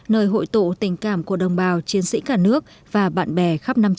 nơi hội tụ tình cảm của đồng bào chiến sĩ cả nước và bạn bè khắp nam châu